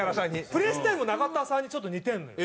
プレースタイルも中田さんにちょっと似てるのよ。